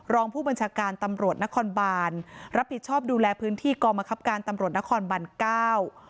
รองผู้บัญชาการตำรวจนครบานรับผิดชอบดูแลพื้นที่กรมคับการตำรวจนครบันเก้า